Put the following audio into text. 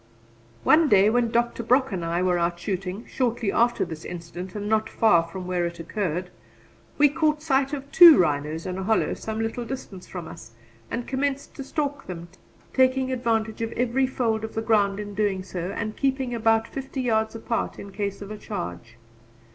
One day when Dr. Brock and I were out shooting, shortly after this incident and not far from where it occurred, we caught sight of two rhinos in a hollow some little distance from us, and commenced to stalk them, taking advantage of every fold of the ground in doing so and keeping about fifty yards apart in case of a charge.